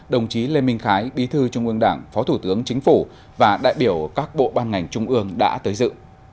đồng chí lê minh khái bí thư trung ương đảng phó thủ tướng chính phủ và đại biểu các bộ ban ngành trung ương đã tới dự